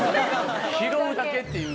「拾うだけ」っていう。